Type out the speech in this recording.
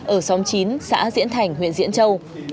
ở xóm chín xã diễn thành huyện diễn châu